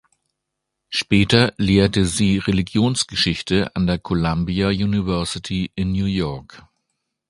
Später lehrte sie Religionsgeschichte an der Columbia University in New York.